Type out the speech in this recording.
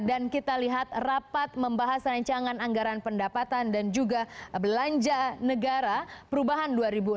dan kita lihat rapat membahas rancangan anggaran pendapatan dan juga belanja negara perubahan dua ribu enam belas